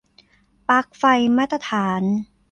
ปลั๊กไฟมาตรฐาน